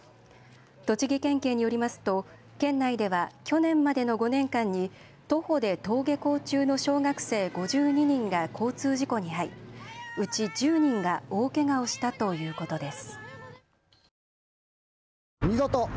栃木県警によりますと県内では去年までの５年間に徒歩で登下校中の小学生５２人が交通事故に遭い、うち１０人が大けがをしたということです。